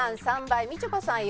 ３倍みちょぱさん